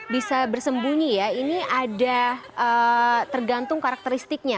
bisa bersembunyi ya ini ada tergantung karakteristiknya